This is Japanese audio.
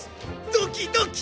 ドキドキ！